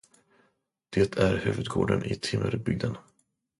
Det är huvudgården i timmerbygden.